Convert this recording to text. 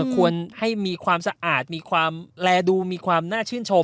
ควรให้มีความสะอาดมีความแลดูมีความน่าชื่นชม